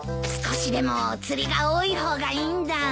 少しでもお釣りが多い方がいいんだ。